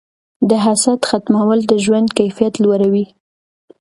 د حسد ختمول د ژوند کیفیت لوړوي.